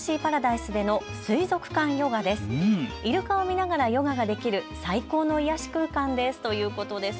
イルカを見ながらヨガができる最高の癒やし空間ですということです。